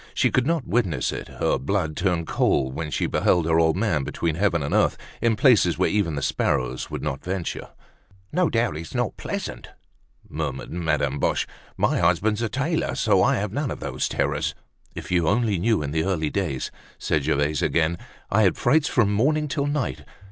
She could not witness it, her blood turned cold when she beheld her old man between heaven and earth, in places where even the sparrows would not venture. "No doubt, it's not pleasant," murmured Madame Boche. "My husband's a tailor, so I have none of these terrors." "If you only knew, in the early days," said Gervaise again, "I had frights from morning till night.